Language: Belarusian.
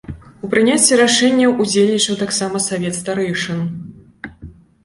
У прыняцці рашэнняў удзельнічаў таксама савет старэйшын.